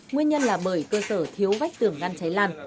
nguyên nhân là bởi cơ sở thiếu vách tưởng ngăn cháy làn